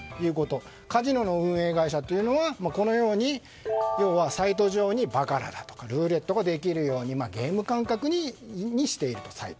カジノの運営会社というのはサイト上にバカラだとかルーレットができるようにサイトをゲーム感覚にしていると。